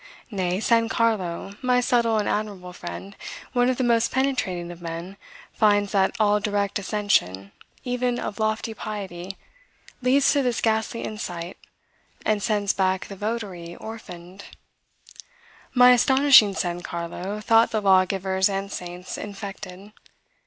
Nay, San Carlo, my subtle and admirable friend, one of the most penetrating of men, finds that all direct ascension, even of lofty piety, leads to this ghastly insight, and sends back the votary orphaned. My astonishing San Carlo thought the lawgivers and saints infected.